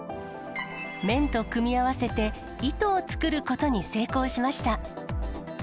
綿と組み合わせて、糸を作ることに成功しました。